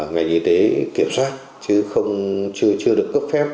ngành y tế kiểm soát chứ chưa được cấp phép